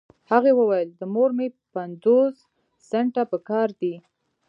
هغې وويل د مور مې پنځوس سنټه پهکار دي.